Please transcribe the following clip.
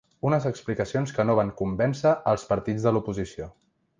Unes explicacions que no van convèncer als partits de l’oposició.